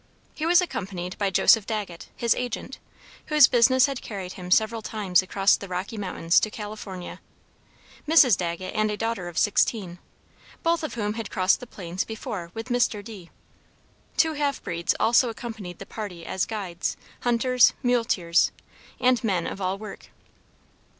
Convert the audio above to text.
He was accompanied by Joseph Dagget, his agent, whose business had carried him several times across the Rocky Mountains to California; Mrs. Dagget and a daughter of sixteen, both of whom had crossed the plains before with Mr. D. two half breeds also accompanied the party as guides, hunters, muleteers, and men of all work.